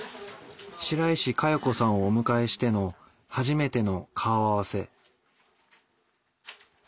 白石加代子さんをお迎えしての初めての顔合わせ。